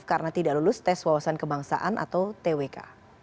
karena tidak lulus tes wawasan kebangsaan atau twk